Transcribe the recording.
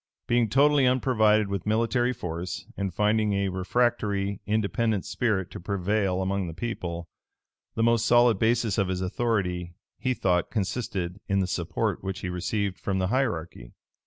Being totally unprovided with military force, and finding a refractory, independent spirit to prevail among the people, the most solid basis of his authority, he thought consisted in the support which he received from the hierarchy.